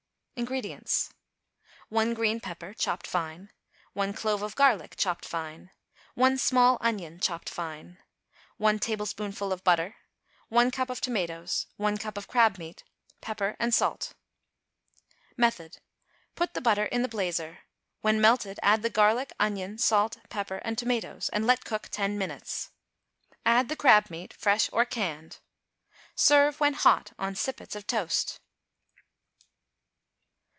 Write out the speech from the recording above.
= INGREDIENTS. 1 green pepper, chopped fine. 1 clove of garlic, chopped fine. 1 small onion, chopped fine. 1 tablespoonful of butter. 1 cup of tomatoes. 1 cup of crab meat. Pepper and salt. Method. Put the butter in the blazer; when melted, add the garlic, onion, salt, pepper and tomatoes, and let cook ten minutes; add the crab meat (fresh or canned). Serve when hot on sippets of toast.